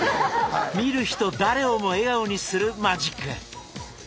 見る人誰をも笑顔にするマジック！